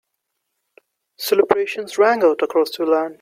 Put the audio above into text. Celebrations rang out across the land.